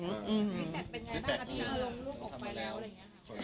ฟิดแบ็คเป็นยังไงบ้างครับอาลงลูกออกมาแล้วอะไรอย่างนี้